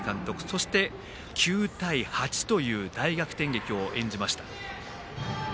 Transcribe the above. そして、９対８という大逆転劇を演じました。